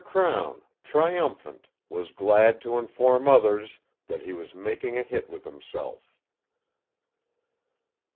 Crown, triumphant, was glad to inform others that he was making a hit with himself.